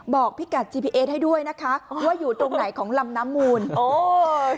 บอกพี่กัดจีพีเอสให้ด้วยนะคะว่าอยู่ตรงไหนของลำน้ำมูลโอ้ย